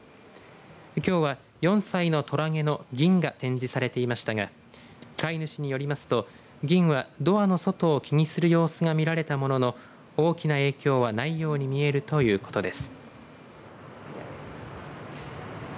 きょうは、４歳のオスで虎毛の銀が展示されていましたが飼い主によりますと銀はドアの外を気にする様子が見られたものの大きな影響はないように見えるということです。